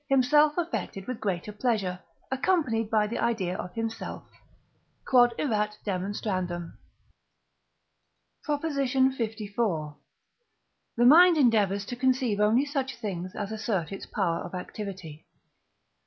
himself affected with greater pleasure, accompanied by the idea of himself. Q.E.D. PROP. LIV. The mind endeavours to conceive only such things as assert its power of activity.